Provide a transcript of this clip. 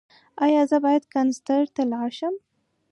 ایا زه باید کنسرت ته لاړ شم؟